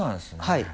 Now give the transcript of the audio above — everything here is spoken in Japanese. はい。